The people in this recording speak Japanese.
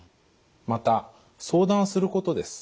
また「相談すること」です。